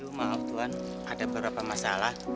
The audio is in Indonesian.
maaf tuhan ada beberapa masalah